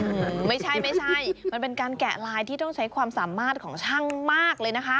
อืมไม่ใช่ไม่ใช่มันเป็นการแกะลายที่ต้องใช้ความสามารถของช่างมากเลยนะคะ